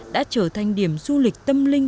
đã trở thành điểm du lịch tâm linh